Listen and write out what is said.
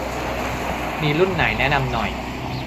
มีรุ่นไหนแนะนำหน่อย